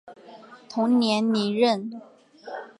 同年离任。